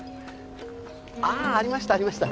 あーありましたありました。